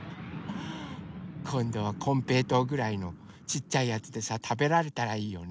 こんどはこんぺいとうぐらいのちっちゃいやつでさたべられたらいいよね。